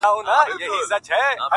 • او د ځان سره جنګېږي تل..